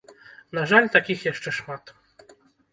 На жаль, такіх яшчэ шмат.